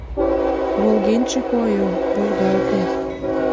Волгенче койо, волгалте